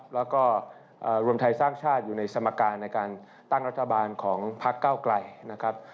แล้วก็รวมไทยสร้างชาติอยู่ในสมการในการตั้งรัฐบาลของพักเก้าไกลนะครับ